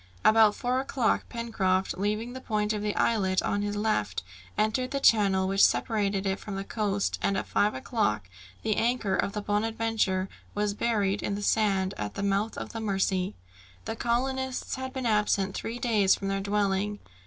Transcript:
About four o'clock, Pencroft, leaving the point of the islet on his left, entered the channel which separated it from the coast, and at five o'clock the anchor of the Bonadventure was buried in the sand at the mouth of the Mercy. The colonists had been absent three days from their dwelling.